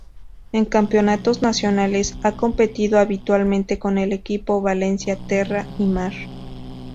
En campeonatos nacionales ha competido habitualmente con el equipo Valencia Terra i Mar.